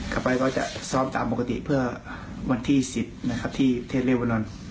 ไปก็จะซ้อมตามปกติเพื่อวันที่๑๐นะครับที่เทศเลเวอร์นอน